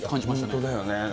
本当だよね。